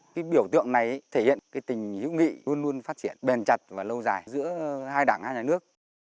cái biểu tượng này thể hiện cái tình hữu nghị luôn luôn phát triển bền chặt và lâu dài giữa hai đảng hai nhà nước